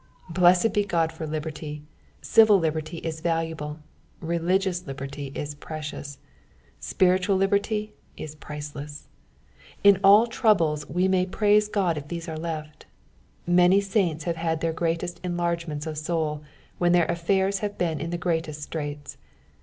Blessed be God for liberty ; civil liberty is valuable, religious liberty is precious, spiritual liberty is priceless. In all troubles wo may praise God i( these are left. Many saints have had thdr greatest enlargements of soul when their affairs have been in the greatest ■tnits.